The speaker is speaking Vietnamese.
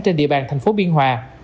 trên địa bàn thành phố biên hòa